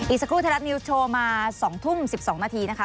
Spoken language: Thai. สักครู่ไทยรัฐนิวส์โชว์มา๒ทุ่ม๑๒นาทีนะคะ